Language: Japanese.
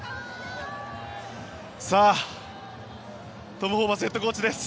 トム・ホーバスヘッドコーチです。